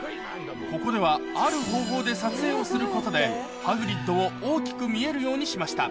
ここではある方法で撮影をすることでハグリッドを大きく見えるようにしました